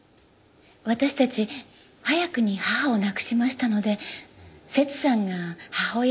私たち早くに母を亡くしましたのでセツさんが母親代わりで。